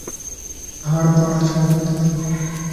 ھاڻ پاڻ ڇو ڪنداسين؟